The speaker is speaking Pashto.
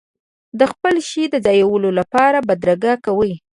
د خپل شي د ځایولو لپاره بدرګه کوي.